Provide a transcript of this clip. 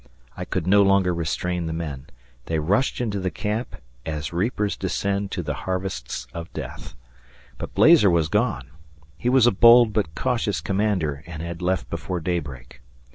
I could no longer restrain the men they rushed into the camp "as reapers descend to the harvests of death." But Blazer was gone! He was a bold but cautious commander and had left before daybreak.